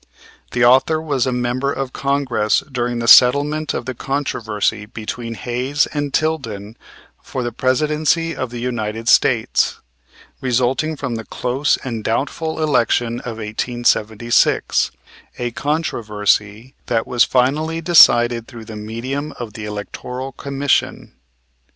The author was a member of Congress during the settlement of the controversy between Hayes and Tilden for the Presidency of the United States, resulting from the close and doubtful election of 1876, a controversy that was finally decided through the medium of the Electoral Commission.